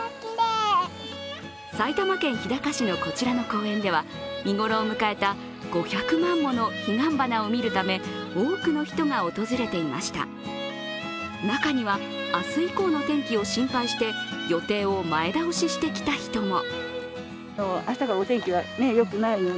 埼玉県日高市のこちらの公園では見頃を迎えた５００万もの彼岸花を見るため、多くの人が訪れていました中には明日以降の天気を心配して、予定を前倒しして来た人も。